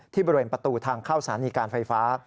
บริเวณประตูทางเข้าสถานีการไฟฟ้า